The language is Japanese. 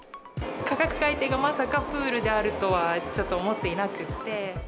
価格改定がまさかプールであるとは、ちょっと思っていなくって。